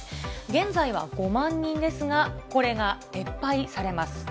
現在は５万人ですが、これが撤廃されます。